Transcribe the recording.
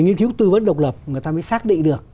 nghiên cứu tư vấn độc lập người ta mới xác định được